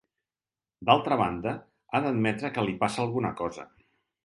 D'altra banda, ha d'admetre que li passa alguna cosa.